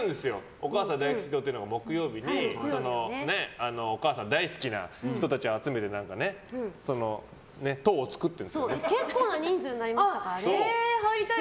お母さん大好き党ってのが木曜日にお母さん大好きな人たちを集めて結構な人数になりましたからね。